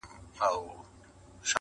o په سپي زوى تل پلار ښکنځلی وي.